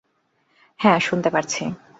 হ্যাঁ, শুনতে পারছি।